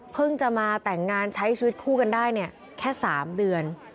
จะมาแต่งงานใช้ชีวิตคู่กันได้เนี่ยแค่๓เดือน